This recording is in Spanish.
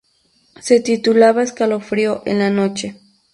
Se titulaba Escalofrío en la noche.